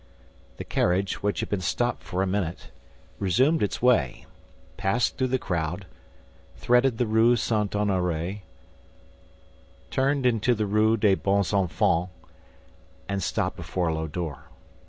The carriage, which had been stopped for a minute, resumed its way, passed through the crowd, threaded the Rue St. Honoré, turned into the Rue des Bons Enfants, and stopped before a low door.